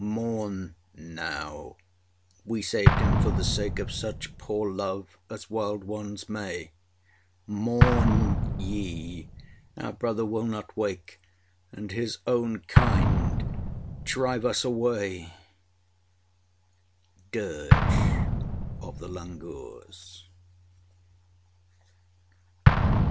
Mourn now, we saved him for the sake Of such poor love as wild ones may. Mourn ye! Our brother will not wake, And his own kind drive us away! Dirge of the Langurs.